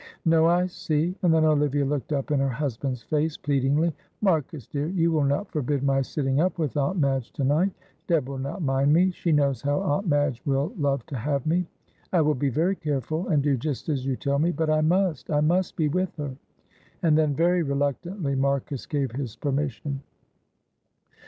"No, I see;" and then Olivia looked up in her husband's face pleadingly. "Marcus, dear, you will not forbid my sitting up with Aunt Madge tonight. Deb will not mind me; she knows how Aunt Madge will love to have me. I will be very careful, and do just as you tell me; but I must! I must be with her!" and then very reluctantly Marcus gave his permission.